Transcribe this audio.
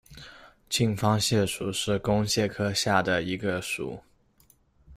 近方蟹属是弓蟹科下的一个属。